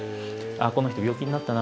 「この人病気になったな」